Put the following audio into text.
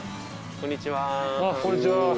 こんにちは。